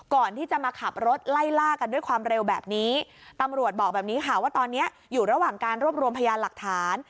ก่อนที่จะมาขับรถไล่ล่ากันด้วยความเร็วแบบนี้ตำรวจบอกแบบนี้ค่ะว่าตอนนี้อยู่ระหว่างการรวบรวมพยานหลักฐาน